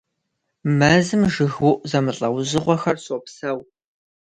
Мэзым жыгыуӀу зэмылӀэужьыгъуэхэр щопсэу.